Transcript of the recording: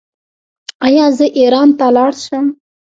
ایا زه ایران ته لاړ شم؟